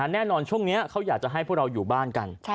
แน่นอนช่วงจะให้เราอยู่บ้านกัน